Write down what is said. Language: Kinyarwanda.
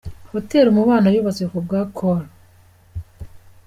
Hotel Umubano yubatswe ku bwa Col.